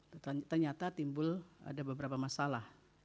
ternyata timbul ada beberapa masalah